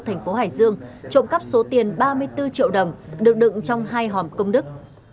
thành phố hải dương trộm cắp số tiền ba mươi bốn triệu đồng được đựng trong hai hòm công đức